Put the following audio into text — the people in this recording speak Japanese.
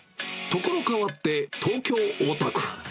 所変わって、東京・大田区。